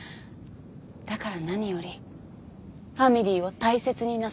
だから何よりファミリーを大切になさってる。